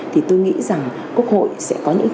thì tôi nghĩ rằng quốc hội sẽ có những